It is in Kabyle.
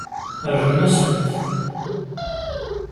Rrem-asent.